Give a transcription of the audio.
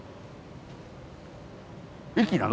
駅なの？